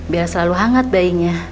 biar selalu hangat bayinya